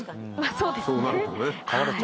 そうなるとね。